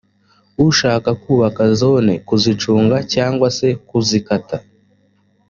ushaka kubaka zone kuzicunga cyangwa se kuzikata